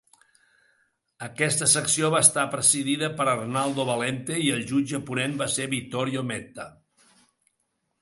Aquesta secció va estar presidida per Arnaldo Valente i el jutge ponent va ser Vittorio Metta.